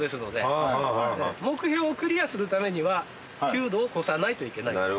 目標をクリアするためには９度を超さないといけない。